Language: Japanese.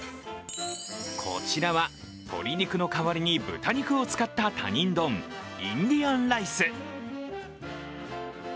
こちらは、鶏肉の代わりに豚肉を使った他人丼インディアンライス。